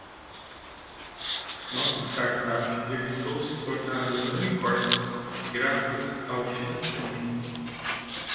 Nossa startup evitou se tornar um 'Unicorpse' graças ao financiamento.